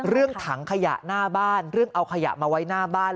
เรื่องถังขยะหน้าบ้านเรื่องเอาขยะมาไว้หน้าบ้าน